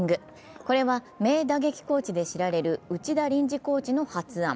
これは名打撃コーチで知られる内田臨時コーチの発案。